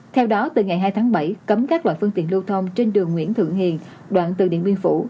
theo đó từ ngày hai tháng bảy cấm các loại phương tiện lưu thông trên đường nguyễn thượng hiền đoạn từ điện biên phủ